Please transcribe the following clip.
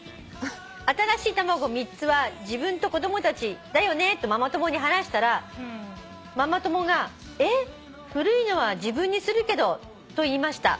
新しい卵３つは自分と子供たちだよねとママ友に話したらママ友が『えっ！？古いのは自分にするけど』と言いました」